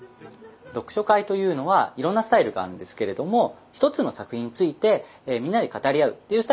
読書会というのはいろんなスタイルがあるんですけれども一つの作品についてみんなで語り合うっていうスタイルが割と多めです。